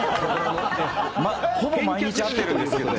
ほぼ毎日会ってるんですけどね。